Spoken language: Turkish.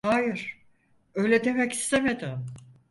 Hayır, öyle demek istemedim.